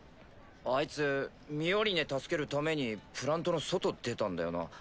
あいつミオリネ助けるためにプラントの外出たんだよな。